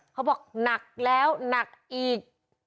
เขาบอกหนักแล้วหนักอีก